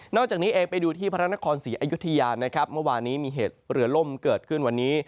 จากนี้เองไปดูที่พระนครศรีอยุธยานะครับเมื่อวานนี้มีเหตุเรือล่มเกิดขึ้นวันนี้